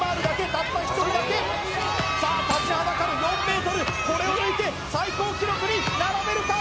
たった一人だけさあ立ちはだかる４ｍこれを抜いて最高記録に並べるか？